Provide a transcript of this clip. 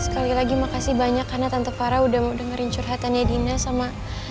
sekali lagi makasih banyak karena tante para udah mau dengerin curhatannya dina sama